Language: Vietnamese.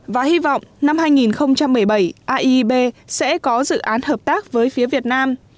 và hy vọng năm hai nghìn một mươi bảy aib sẽ có dự án hợp tác với phía việt nam